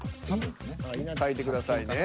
書いてくださいね。